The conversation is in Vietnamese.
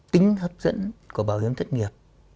tính hấp dẫn của bảo hiểm thất nghiệp